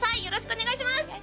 よろしくお願いします